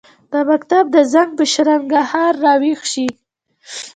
د مکتب د زنګ، په شرنګهار راویښ شي